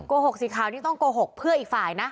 หกสีขาวนี่ต้องโกหกเพื่ออีกฝ่ายนะ